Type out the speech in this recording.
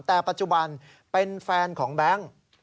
แต่ปัจจุบันเป็นแฟนของแบงค์